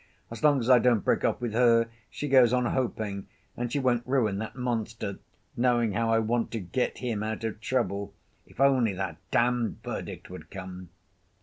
As long as I don't break off with her, she goes on hoping, and she won't ruin that monster, knowing how I want to get him out of trouble. If only that damned verdict would come!"